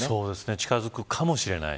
近づくかもしれない。